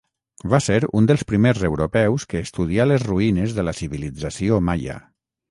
Va ser un dels primers europeus que estudià les ruïnes de la civilització maia.